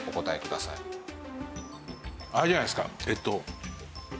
あれじゃないですか？